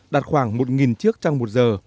đạt khoảng một nghìn chiếc trong một giờ